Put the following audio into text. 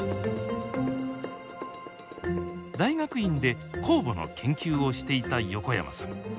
大学院で酵母の研究をしていた横山さん。